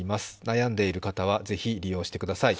悩んでいる方はぜひご利用してください。